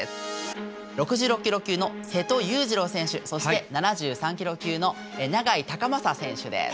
６６キロ級の瀬戸勇次郎選手そして７３キロ級の永井崇匡選手です。